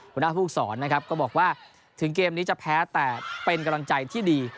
หัวหน้าภูมิสอนนะครับก็บอกว่าถึงเกมนี้จะแพ้แต่เป็นกำลังใจที่ดี